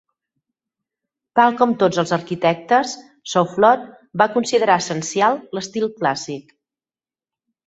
Tal com tots els arquitectes, Soufflot va considerar essencial l'estil clàssic.